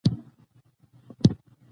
هندوکش د امنیت په اړه اغېز لري.